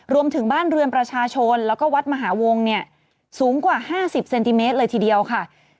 รวมถึงบ้านเรือนประชาชนแล้วก็วัดมหาวงเนี่ยสูงกว่า๕๐เซนติเมตรเลยทีเดียวค่ะ